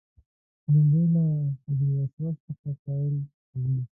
لومړی له حجر اسود څخه پیل کوي.